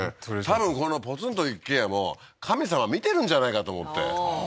多分このポツンと一軒家も神さま見てるんじゃないかと思ってああーあ